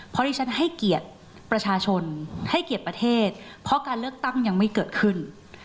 เพราะดิฉันให้เกียรติประชาชนให้เกียรติประเทศเพราะการเลือกตั้งยังไม่เกิดขึ้น